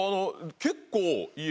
結構。